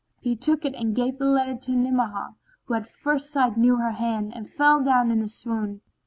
He took it and gave the letter to Ni'amah, who at first sight knew her hand and fell down in a swoon.